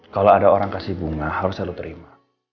kalau ada orang kasih bunga harus selalu terima